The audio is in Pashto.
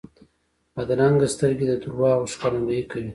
بدرنګه سترګې د دروغو ښکارندویي کوي